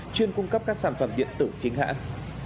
chuyên cung cấp các sản phẩm điện tử chính hãng